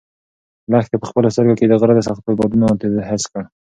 لښتې په خپلو سترګو کې د غره د سختو بادونو تېزي حس کړه.